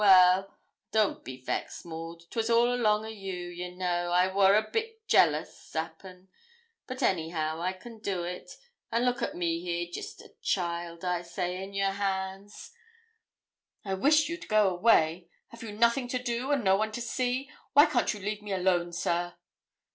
Well, don't be vexed, Maud; 'twas all along o' you; ye know, I wor a bit jealous, 'appen; but anyhow I can do it; and look at me here, jest a child, I say, in yer hands.' 'I wish you'd go away. Have you nothing to do, and no one to see? Why can't you leave me alone, sir?'